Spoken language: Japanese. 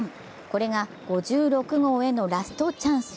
これが５６号へのラストチャンス。